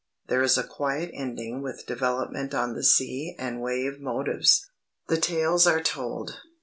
There is a quiet ending with development on the Sea and Wave motives. The tales are told.